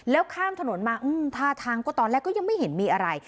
แล้วข้ามถนนมาท่าทางก็ตอนแรกก็ยังไม่เห็นมีอะไร